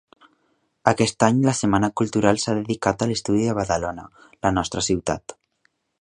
Aquest any la Setmana Cultural s'ha dedicat a l'estudi de Badalona, la nostra ciutat.